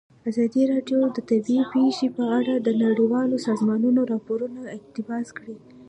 ازادي راډیو د طبیعي پېښې په اړه د نړیوالو سازمانونو راپورونه اقتباس کړي.